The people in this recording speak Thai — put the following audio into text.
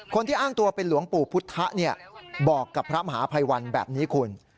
คนที่อ้างตัวเป็นหลวงปู่พุทธะบอกกับพระมหาภัยวันแบบนี้คุณ